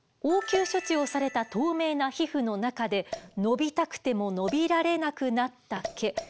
応急処置をされた透明な皮膚の中で伸びたくても伸びられなくなった毛